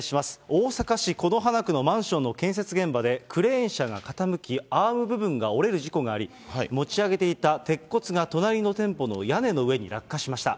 大阪市此花区のマンションの建設現場でクレーン車が傾き、アーム部分が折れる事故があり、持ち上げていた鉄骨が隣の店舗の屋根の上に落下しました。